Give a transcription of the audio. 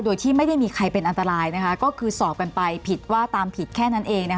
โดยที่ไม่ได้มีใครเป็นอันตรายก็คือสอบกันไปผิดว่าตามผิดแค่นั้นเอง